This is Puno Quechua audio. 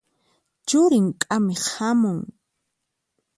Churin k'amiq hamun.